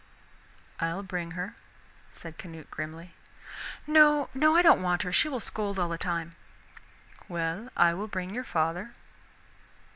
"I'll bring her," said Canute grimly. "No, no. I don't want her, she will scold all the time." "Well, I will bring your father."